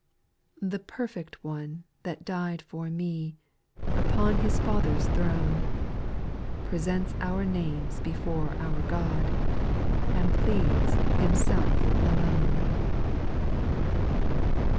5. The perfect One that died for me, Up(m His Father's throne, Presents our names before our God, And pleads Himself alone.